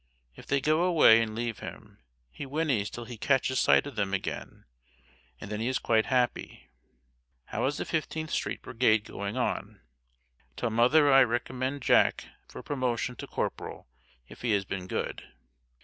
If they go away and leave him, he whinnies till he catches sight of them again, and then he is quite happy. How is the 15th Street Brigade getting on? Tell Mother I recommend Jack for promotion to corporal if he has been good.